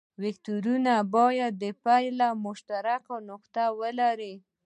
وکتورونه باید د پیل مشترکه نقطه ولري.